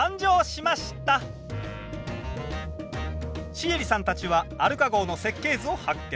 シエリさんたちはアルカ号の設計図を発見。